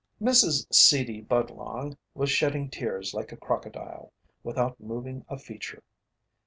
Mrs. C. D. Budlong was shedding tears like a crocodile, without moving a feature.